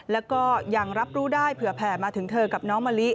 แล้วก็ยังรับรู้ได้เผื่อแผ่มาถึงเธอกับน้องมะลิ